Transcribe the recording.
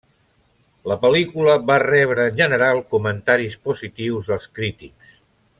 La pel·lícula va rebre en general comentaris positius dels crítics.